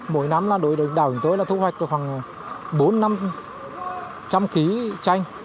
mỗi năm đối với đảo của tôi là thu hoạch khoảng bốn năm trăm linh kg xanh